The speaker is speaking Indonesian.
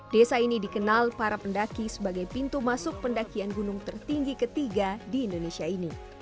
desa ini dikenal para pendaki sebagai pintu masuk pendakian gunung tertinggi ketiga di indonesia ini